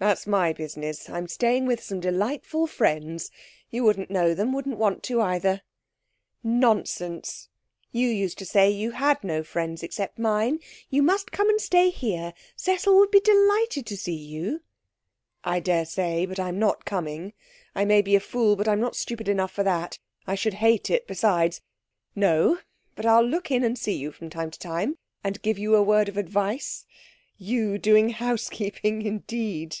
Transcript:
'That's my business. I'm staying with some delightful friends. You wouldn't know them wouldn't want to either.' 'Nonsense! You used to say you had no friends except mine. You must come and stay here. Cecil would be delighted to see you.' 'I daresay but I'm not coming. I may be a fool, but I'm not stupid enough for that. I should hate it, besides! No; but I'll look in and see you from time to time, and give you a word of advice. You doing housekeeping, indeed!'